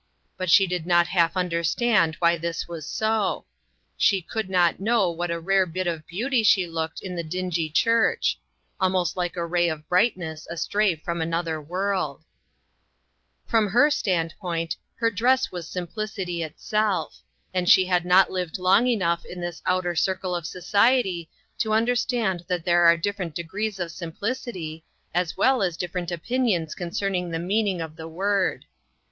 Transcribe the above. But .she did not half understand why this was so. She could not know what a rare bit of beauty she looked in the dingy church ; almost like a ray of brightness astray from another world. TRYING TO ENDURE. 6/ From her standpoint, her dress was sim plicity itself; and she had not lived long enough in this outer circle of society to un derstand that there are different degrees of simplicity, as well as different opinions con cerning the meaning of the word.